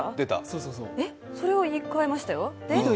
え、それを言い換えましたよ